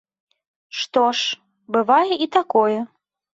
Што ж, бывае і такое.